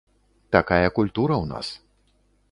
Такая культура ў нас.